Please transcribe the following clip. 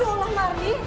ya allah marni